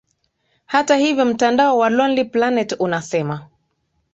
Hata hivyo mtandao wa lonely planet unasema